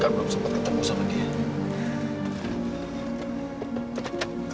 tapi dewi aku bahkan belum sempat ketemu sama dia